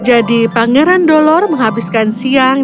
jadi pangeran dolor menghabiskan siang